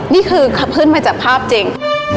นี่คือเขาขึ้นมาจากภาพจริง